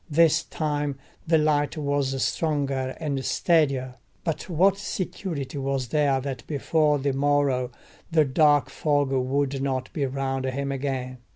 This time the light was stronger and steadier; but what security was there that before the morrow the dark fog would not be round him again?